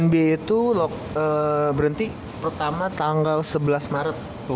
nba itu berhenti pertama tanggal sebelas maret